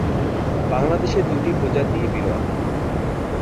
বাংলাদেশে দুটি প্রজাতিই বিরল।